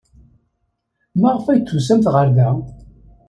Maɣef ay d-tusamt ɣer da?